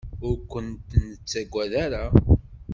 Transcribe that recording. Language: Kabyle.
Ur kent-nettaggad ara.